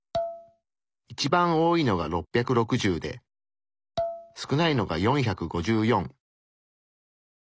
一番多いのが６６０で少ないのが４５４。